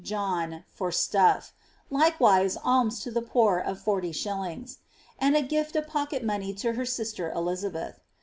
John, for stuJT; likewise alms tu the poor of 40s., and a gift of pocket money to her sister Elizabeth.